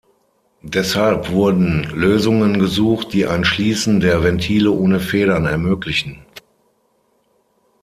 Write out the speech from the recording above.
Deshalb wurden Lösungen gesucht, die ein Schließen der Ventile ohne Federn ermöglichen.